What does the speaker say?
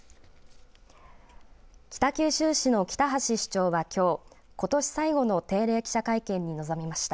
北九州市の北橋市長は、きょうことし最後の定例記者会見に臨みました。